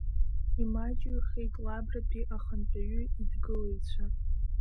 Имаҷыҩхеит Лабратәи ахантәаҩы идгылаҩцәа.